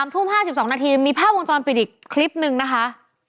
ทุ่ม๕๒นาทีมีภาพวงจรปิดอีกคลิปนึงนะคะ